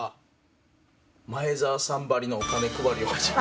前澤さんばりのお金配りをした。